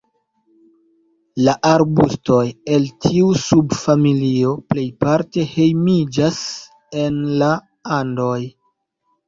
La arbustoj el tiu subfamilio plejparte hejmiĝas en la Andoj.